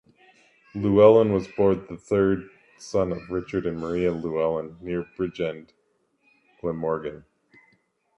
Lewellin was born the third son of Richard and Maria Lewellin, near Bridgend, Glamorgan.